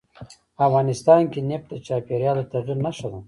افغانستان کې نفت د چاپېریال د تغیر نښه ده.